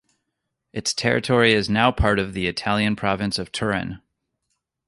Its territory is now part of the Italian province of Turin.